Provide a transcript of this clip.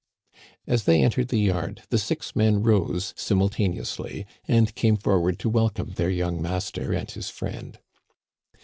As they entered the yard the six men rose simulta neously and came forward to welcome their young mas ter and his friend.